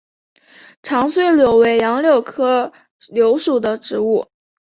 长穗柳为杨柳科柳属的植物。